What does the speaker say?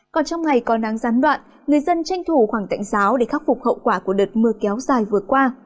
còn trong ngày có nắng gián đoạn người dân tranh thủ khoảng tạnh giáo để khắc phục hậu quả của đợt mưa kéo dài vừa qua